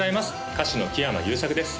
歌手の木山裕策です